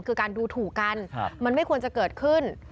คือการดูถูกกันมันไม่ควรจะเกิดขึ้น